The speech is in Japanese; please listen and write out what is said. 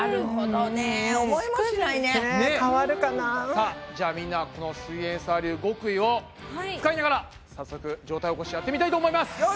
さあじゃあみんなこのすイエんサー流極意を使いながら早速上体起こしやってみたいと思います。